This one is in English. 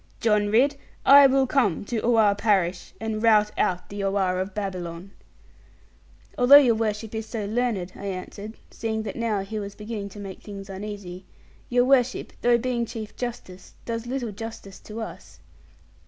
John Ridd, I will come to Oare parish, and rout out the Oare of Babylon.' 'Although your worship is so learned,' I answered seeing that now he was beginning to make things uneasy; 'your worship, though being Chief Justice, does little justice to us.